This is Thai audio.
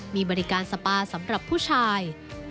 มีบริการสปาสำหรับผู้ชาย